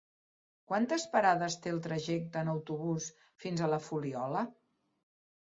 Quantes parades té el trajecte en autobús fins a la Fuliola?